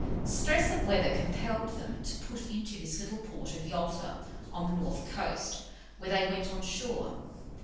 Stress of weather compelled them to put into the little port of Yalta, on the north coast, where they went on shore.